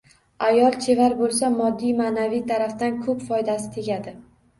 Ayol chevar bo‘lsa, moddiy, ma’naviy tarafdan ko‘p foydasi tegadi.